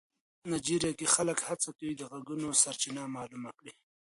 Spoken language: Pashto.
نایجیریا کې خلک هڅه کوي د غږونو سرچینه معلومه کړي.